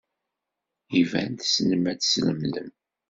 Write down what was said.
Iban tessnem ad teslemdem.